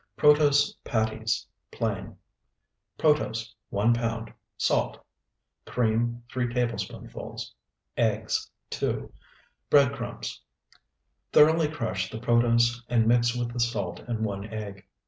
PROTOSE PATTIES (PLAIN) Protose, 1 pound. Salt. Cream, 3 tablespoonfuls. Eggs, 2. Bread crumbs. Thoroughly crush the protose and mix with the salt and one egg.